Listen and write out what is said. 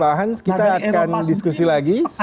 pak hans kita akan diskusi lagi